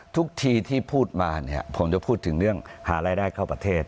ทุกทีที่พูดมาเนี่ยผมจะพูดถึงเรื่องหารายได้เข้าประเทศ